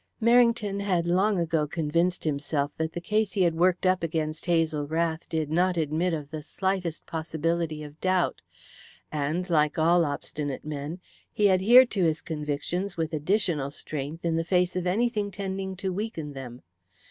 Merrington had long ago convinced himself that the case he had worked up against Hazel Rath did not admit of the slightest possibility of doubt; and, like all obstinate men, he adhered to his convictions with additional strength in the face of anything tending to weaken them.